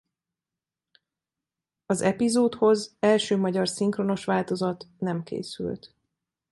Az epizódhoz első magyar szinkronos változat nem készült.